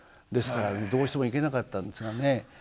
ですからどうしても行けなかったんですがね